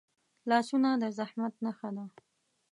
لاسونه د زحمت نښه ده